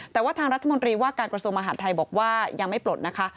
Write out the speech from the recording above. แต่ว่าทางรัฐมนตรีว่าการกระทรวงมหาดไทยบอกว่ายังไม่ปลดนะคะ